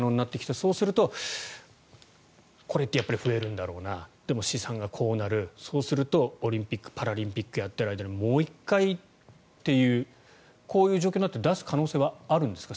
そうするとこれって増えるんだろうなでも試算がこうなるそうするとオリンピック・パラリンピックをやっている間にもう１回というこういう状況になっても出す可能性はあるんですか？